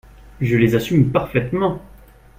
Je les assume parfaitement.